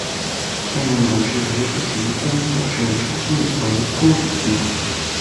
现任董事局主席兼董事总经理为郭炳联。